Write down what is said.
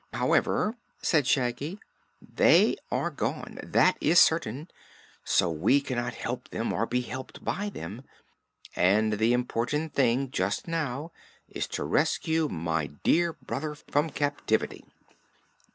"However," said Shaggy, "they are gone, that is certain, so we cannot help them or be helped by them. And the important thing just now is to rescue my dear brother from captivity."